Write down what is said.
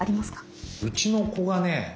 うちの子がね